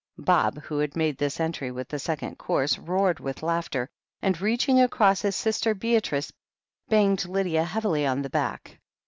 Bob, who had made his entry with the second course, roared with laughter, and, reaching across his sister Beatrice,, banged Lydia heavily on the back.